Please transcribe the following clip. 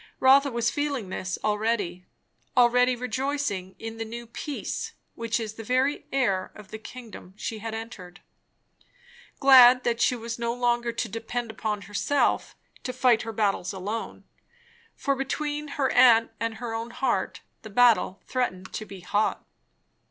Rotha was feeling this already; already rejoicing in the new peace which is the very air of the kingdom she had entered; glad that she was no longer to depend on herself, to fight her battles alone. For between her aunt and her own heart, the battle threatened to be hot.